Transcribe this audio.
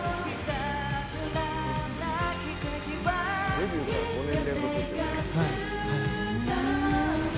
デビューから５年連続。